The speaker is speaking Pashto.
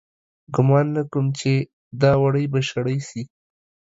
گومان نه کوم چې دا وړۍ به شړۍ سي